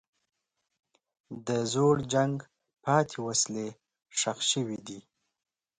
د زوړ جنګ پاتې وسلې ښخ شوي دي.